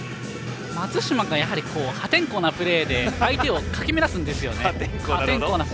松島がやはり破天荒なプレーで相手をかき乱すんですよね。